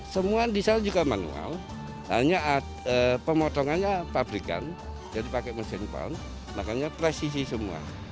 semua diesel juga manual hanya pemotongannya pabrikan jadi pakai mesin pound makanya presisi semua